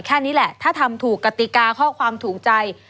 แค่นี้แหละถ้าทำถูกกติกาข้อความถูกใจ